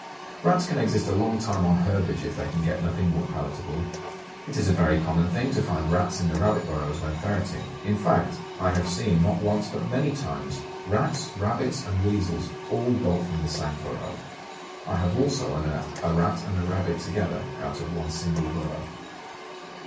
Rats can exist a long time on herbage, if they can get nothing more palatable. It is a very common thing to find Rats in the rabbit burrows when ferreting; in fact, I have seen, not once, but many times, Rats, rabbits, and weasels all bolt from the same burrow. I have also unearthed a Rat and a rabbit together out of one single burrow.